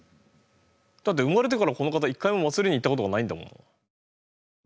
だって生まれてからこのかた一回も祭りに行ったことがないんだもん。